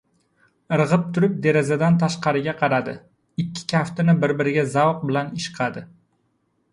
Irg‘ib turib, derazadan tashqariga qaradi. Ikki kaftini bir-biriga zavq bilan ishqadi.